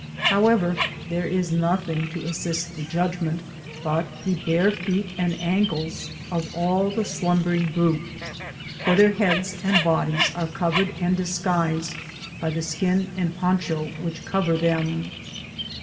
How ever, there is nothing to assist the juc^ment but the bare feet and andes of all the slumbering group, for thdr heads and bodies are covered and dis< guised by the skin and poncho which cover them.